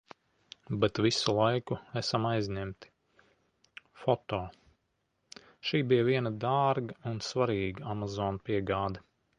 Bet visu laiku esam aizņemti. Foto. Šī bija viena dārga un svarīga Amazon piegāde.